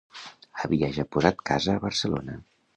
Havia ja posat casa a Barcelona